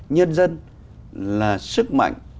nhân dân là sức mạnh